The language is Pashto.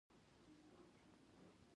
رومیان د غرمې خوراک خوندور کوي